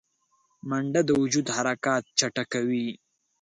منډه د وجود حرکات چټکوي